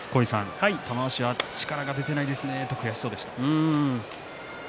玉鷲は力が出ていないですねと悔しそうでした。